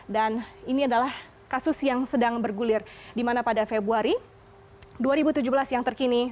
ini adalah kasus yang sedang bergulir di mana pada februari dua ribu tujuh belas yang terkini